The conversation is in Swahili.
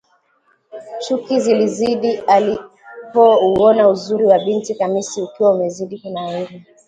chuki zilizidi alipouona uzuri wa binti Khamisi ukiwa umezidi kunawiri